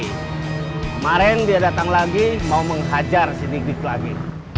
kemarin dia datang lagi mau ngehajar sedikit lagi